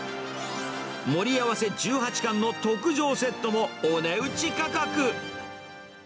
盛り合わせ１８貫の特上セットもお値打ち価格。